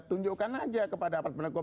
tunjukkan saja kepada pendukung